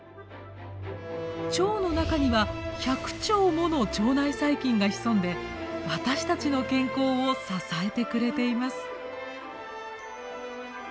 腸の中には１００兆もの腸内細菌が潜んで私たちの健康を支えてくれています。